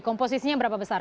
komposisinya berapa besar